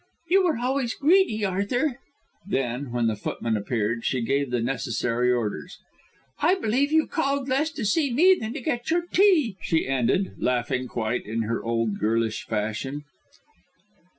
"You were always greedy, Arthur." Then, when the footman appeared, she gave the necessary orders. "I believe you called less to see me than to get your tea," she ended, laughing quite in her old girlish fashion.